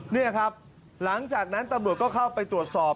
นี่ครับหลังจากนั้นตำรวจก็เข้าไปตรวจสอบ